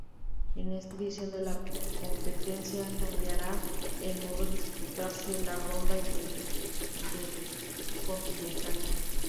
En esta edición de la competencia, cambiará el modo de disputarse la ronda intercontinental.